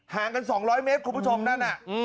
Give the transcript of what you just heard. ห่างกัน๒๐๐เมตรคุณผู้ชมนั่นน่ะ